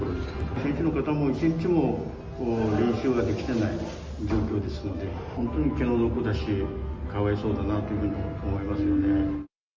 選手の方も一日も練習ができてない状況ですので、本当に気の毒だし、かわいそうだなというふうに思いますよね。